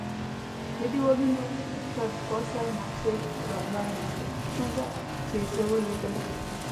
د دېوالونو پر پاسه یې نقشې را ځوړندې وې، څنګه چې یې زه ولیدلم.